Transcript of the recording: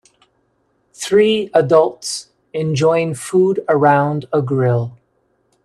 Three adults enjoying food around a grill.